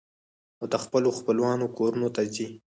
او د خپلو خپلوانو کورنو ته ځي.